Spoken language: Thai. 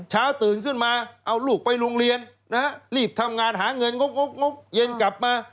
เช้าตื่นขึ้นมาเอาลูกไปโรงเรียนนะฮะรีบทำงานหาเงินงบเย็นกลับมา